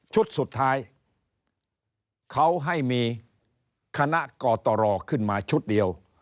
สุดท้ายเขาให้มีคณะกตรขึ้นมาชุดเดียว